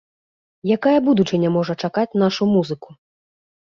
Якая будучыня можа чакаць нашу музыку?